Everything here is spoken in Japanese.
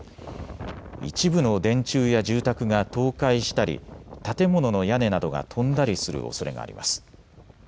一部の電柱や住宅が倒壊したり建物の屋根などが飛んだりするおそれがあります。